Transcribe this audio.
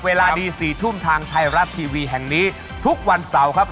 และแน่นอนนะครับเราจะกลับมาสรุปกันต่อนะครับกับรายการสุขที่รักของเรานะครับ